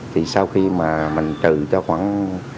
thì sau khi mà mình trừ cho khoảng